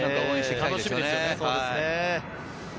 楽しみですよね。